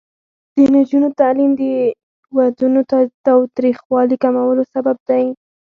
د نجونو تعلیم د ودونو تاوتریخوالي کمولو سبب دی.